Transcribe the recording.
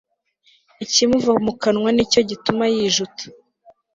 ikimuva mu kanwa ni cyo gituma yijuta